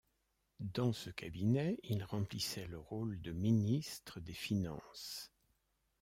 Dans ce cabinet, il remplissait le rôle de ministre des Finances.